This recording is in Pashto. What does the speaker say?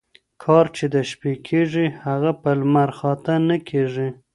کار چي د شپې کيږي هغه په لمرخاته ،نه کيږي